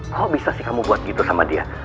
kalau bisa sih kamu buat gitu sama dia